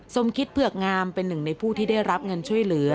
สมคิดเผือกงามเป็นหนึ่งในผู้ที่ได้รับเงินช่วยเหลือ